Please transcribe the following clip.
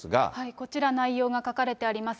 こちら、内容が書かれてあります。